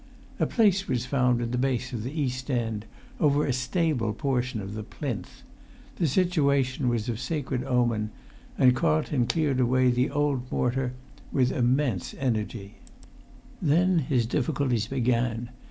A place was found in the base of the east end, over a stable portion of the plinth; the situation was of sacred omen, and Carlton cleared away the old mortar with immense energy. Then his difficulties began.